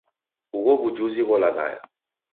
Ugho w'ujuzi gholaghaya.